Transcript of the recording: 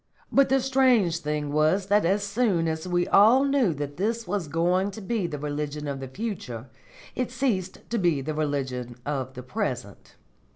But the strange thing was that as soon as we all knew that this was going to be the religion of the future it ceased to be the religion of the present.